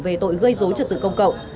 về tội gây dối trật tự công cộng